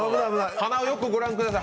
鼻をよくご覧ください。